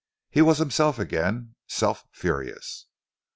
He was himself again, self furious.